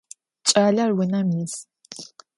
Кӏалэр унэм ис.